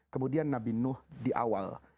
kemudian nabi nuh di awal